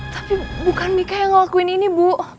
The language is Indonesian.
tapi bukan mika yang ngelakuin ini bu